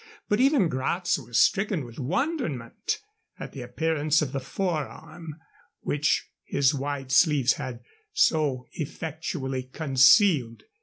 But even Gratz was stricken with wonderment at the appearance of the forearm, which his wide sleeves had so effectually concealed.